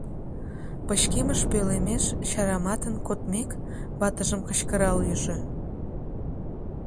Пычкемыш пӧлемеш чараматын кодмек, ватыжым кычкырал ӱжӧ.